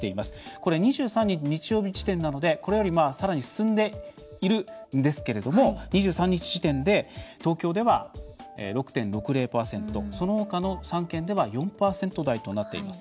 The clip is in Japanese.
これは２３日、日曜日時点なのでこれより、さらに進んでいるんですけれども２３日時点で東京では６．６０％そのほかの３県では４％台となっています。